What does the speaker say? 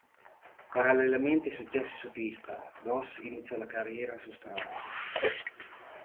Parallelamente ai successi su pista, Goss iniziò la carriera su strada.